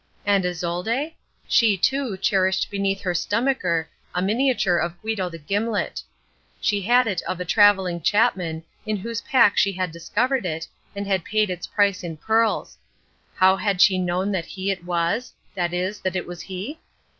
And Isolde? She, too, cherished beneath her stomacher a miniature of Guido the Gimlet. She had it of a travelling chapman in whose pack she had discovered it, and had paid its price in pearls. How had she known that he it was, that is, that it was he?